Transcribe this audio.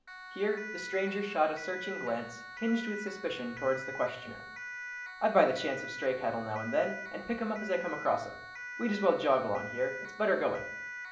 Here the stranger shot a searching glance, tinged with suspicion, towards the questioner. "I buy the chance of stray cattle now and then, and pick 'em up as I come across 'em. We'd as well jog along here, it's better going."